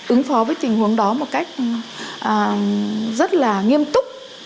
ứng phó với tình huống đó một cách rất là nghiêm túc